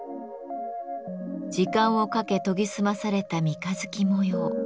時間をかけ研ぎ澄まされた三日月模様。